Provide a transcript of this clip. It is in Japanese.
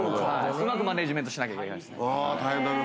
うまくマネージメントしないといけないんです。